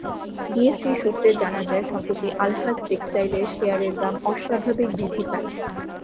DSE সূত্রে জানা যায়, সম্প্রতি আলহাজ টেক্সটাইলের শেয়ারের দাম অস্বাভাবিক বৃদ্ধি পায়।